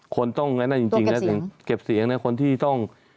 คนต้องอย่างนั้นจริงเก็บเสียงคนที่ต้อง